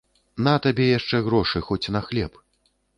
На табе яшчэ грошы, хоць на хлеб.